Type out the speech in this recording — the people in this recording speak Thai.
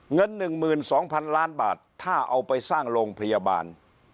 เงินหนึ่งหมื่นสองพันล้านบาทถ้าเอาไปสร้างโรงพยาบาล